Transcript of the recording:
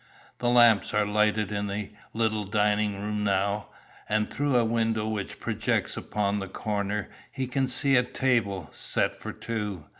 The lamps are lighted in the little dining room now, and through a window which projects upon the corner, he can see a table set for two.